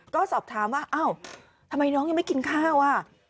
ก็สอบถามว่าอ้าวทำไมน้องยังไม่กินข้าวอ่ะ